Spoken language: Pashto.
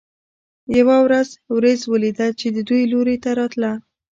یوه ورځ ورېځ ولیده چې د دوی لوري ته راتله.